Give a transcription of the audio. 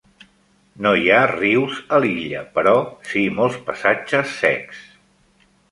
No hi ha rius a l'illa, però sí molts passatges secs.